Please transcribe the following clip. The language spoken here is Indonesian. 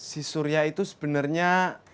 si surya itu sebenarnya